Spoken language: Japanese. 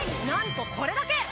なんとこれだけ！